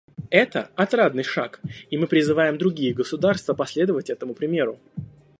Это — отрадный шаг, и мы призываем другие государства последовать этому примеру.